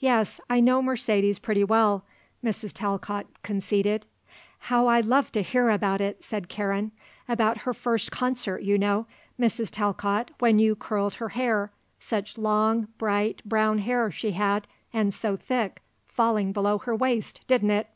"Yes; I know Mercedes pretty well," Mrs. Talcott conceded. "How I love to hear about it," said Karen; "about her first concert, you know, Mrs. Talcott, when you curled her hair such long, bright brown hair, she had, and so thick, falling below her waist, didn't it?"